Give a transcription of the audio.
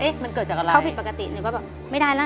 เอ๊ะมันเกิดจากอะไรเขาผิดปกติหนึ่งก็แบบไม่ได้ล่ะ